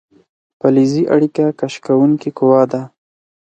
فلزي اړیکه کش کوونکې قوه ده.